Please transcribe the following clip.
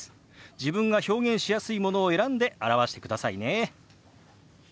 自分が表現しやすいものを選んで表してくださいね。